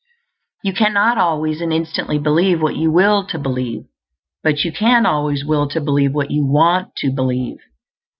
You cannot always and instantly believe what you will to believe; but you can always will to believe what you want to believe.